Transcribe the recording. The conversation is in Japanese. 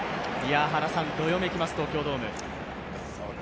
原さん、どよめきます、東京ドーム。